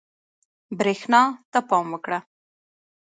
برېښنا ته پام وکړه.